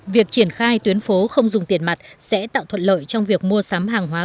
việc triển khai tuyến phố không dùng tiền mặt sẽ tạo thuận lợi trong việc mua sắm hàng hóa